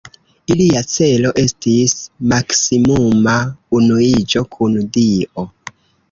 Ilia celo estis maksimuma unuiĝo kun Dio.